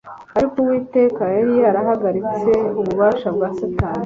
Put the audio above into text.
Ariko Uwiteka yari yahagaritse ububasha bwa Satani